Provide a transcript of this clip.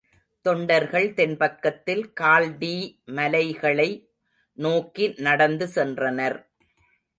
தொண்டர்கள் தென்பக்கத்தில் கால்டீ மலைகளை நோக்கி நடந்து சென்றனர்.